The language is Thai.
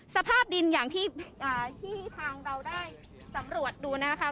สภาพดินอย่างที่ทางเราได้สำรวจดูนะคะ